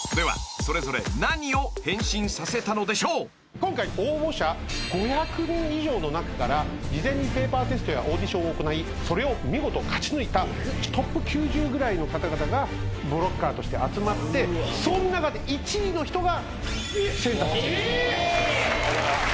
今回応募者５００人以上の中から事前にペーパーテストやオーディションを行いそれを見事勝ち抜いたトップ９０ぐらいの方々がブロッカーとして集まってその中で１位の人がセンター。